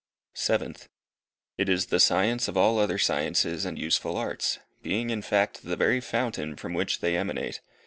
Seventh. It is the science of all other sciences and useful arts, being in fact the very fountain from which they emanate.